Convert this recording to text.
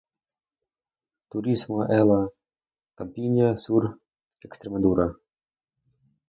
Turismo e la Campiña Sur Extremadura